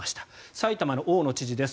埼玉の大野知事です。